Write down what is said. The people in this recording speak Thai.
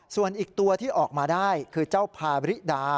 ส่วนอีกตัวที่ออกมาได้คือเจ้าพาริดา